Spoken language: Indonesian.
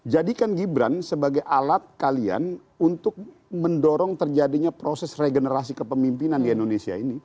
jadikan gibran sebagai alat kalian untuk mendorong terjadinya proses regenerasi kepemimpinan di indonesia ini